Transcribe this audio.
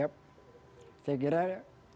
apa yang dia katakan